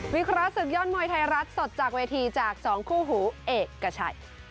เคราะหศึกยอดมวยไทยรัฐสดจากเวทีจาก๒คู่หูเอกชัย